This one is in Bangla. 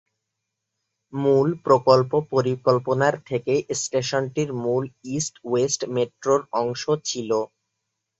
মূল প্রকল্প পরিকল্পনার থেকেই স্টেশনটি মূল ইস্ট-ওয়েস্ট মেট্রোর অংশ ছিল।